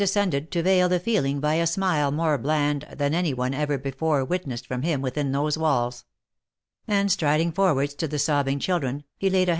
83 scended to veil the feeling by a smile more bland than anyone ever before witnessedfrom him within those walls ; and striding forwards to the sobbing children, he laid a.